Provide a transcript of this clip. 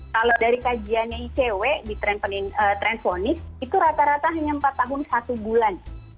kalau dari kajiannya icw di trend fonis itu rata rata hanya empat tahun satu bulan